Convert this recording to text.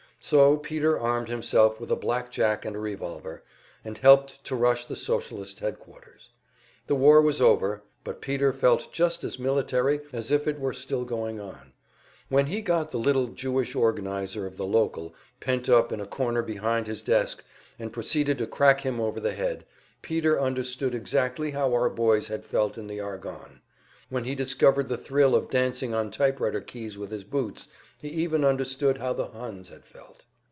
So Peter armed himself with a black jack and a revolver, and helped to rush the Socialist headquarters. The war was over, but Peter felt just as military as if it were still going on; when he got the little Jewish organizer of the local pent up in a corner behind his desk and proceeded to crack him over the head, Peter understood exactly how our boys had felt in the Argonne. When he discovered the thrill of dancing on typewriter keys with his boots, he even understood how the Huns had felt.